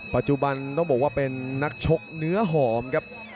ปัจจุบันต้องบอกว่าเป็นนักชกเนื้อหอมครับ